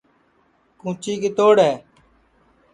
کُونٚچی کِتوڑ ہے